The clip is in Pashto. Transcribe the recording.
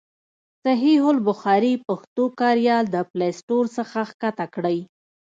صحیح البخاري پښتو کاریال د پلای سټور څخه کښته کړئ.